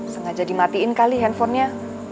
sengaja dimatiin kali handphonenya